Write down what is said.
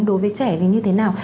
đối với trẻ thì như thế nào